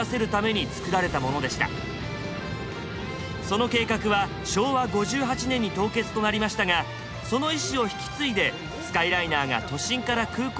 その計画は昭和５８年に凍結となりましたがその意思を引き継いでスカイライナーが都心から空港まで乗客を運んでいます。